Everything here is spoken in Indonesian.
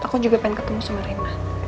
aku juga pengen ketemu sama rima